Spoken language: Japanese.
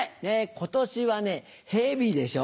今年はねヘビでしょ